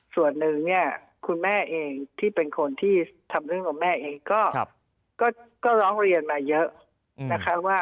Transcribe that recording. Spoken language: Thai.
ส่วนหนึ่งคุณแม่เองที่เป็นคนที่ทำเรื่องนมแม่เองก็ร้องเรียนมาเยอะ